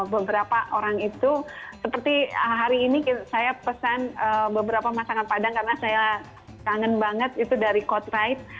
beberapa orang itu seperti hari ini saya pesan beberapa masakan padang karena saya kangen banget itu dari coach ride